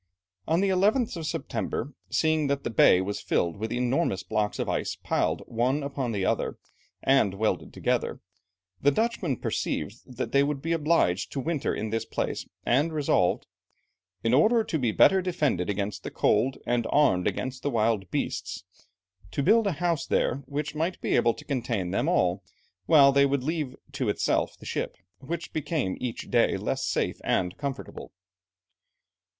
On the 11th of September, seeing that the bay was filled with enormous blocks of ice piled one upon the other, and welded together, the Dutchmen perceived that they would be obliged to winter in this place, and resolved, "in order to be better defended against the cold, and armed against the wild beasts," to build a house there, which might be able to contain them all, while they would leave to itself the ship, which became each day less safe and comfortable.